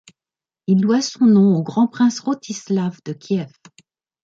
Il doit son nom au grand prince Rostislav de Kiev.